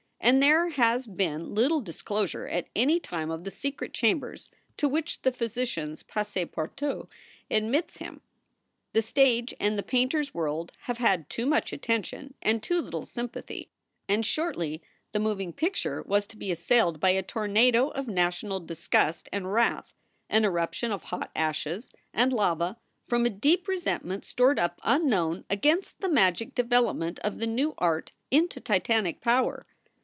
And there has been little dis closure at any time of the secret chambers to which the physician s passe partout admits him. The stage and the painter s world have had too much attention and too little sympathy, and shortly the moving picture was to be assailed by a tornado of national disgust and wrath, an eruption of hot ashes and lava from a deep resentment stored up unknown against the magic develop ment of the new art into Titanic power.